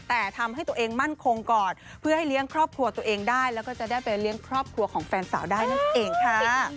แต่ทำให้ตัวเองมั่นคงก่อนเพื่อให้เลี้ยงครอบครัวตัวเองได้แล้วก็จะได้ไปเลี้ยงครอบครัวของแฟนสาวได้นั่นเองค่ะ